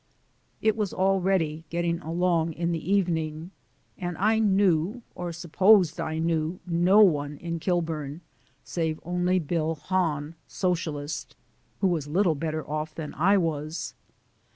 It was already getting along in the evening, and I knew or supposed I knew no one in Kilburn save only Bill Hahn, Socialist who was little better off than I was.